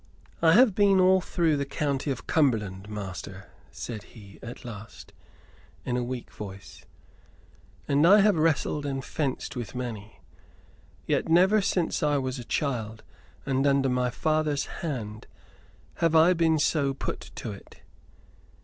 "I have been all through the county of Cumberland, master," said he, at last, in a weak voice, "and I have wrestled and fenced with many; yet never since I was a child and under my father's hand have I been so put to it."